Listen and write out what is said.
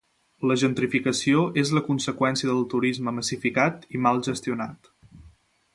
La gentrificació és la conseqüència del turisme massificat i mal gestionat.